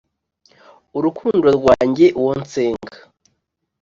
urukundo rwanjye, uwo nsenga.